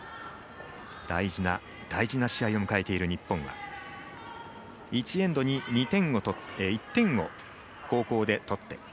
大事な大事な試合を迎えている日本が１エンドに、２点を取って１点を後攻で取って。